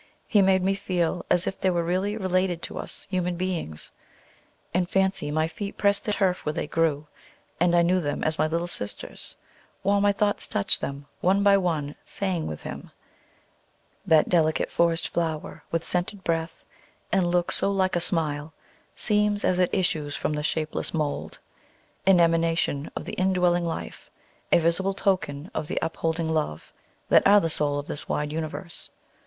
He made me feel as if they were really related to us human beings. In fancy my feet pressed the turf where they grew, and I knew them as my little sisters, while my thoughts touched them, one by one, saying with him, "That delicate forest flower, With scented breath, and look so like a smile, Seems, as it issues from the shapeless mould, An emanation of the indwelling Life, A visible token of the upholding Love, That are the soul of this wide universe."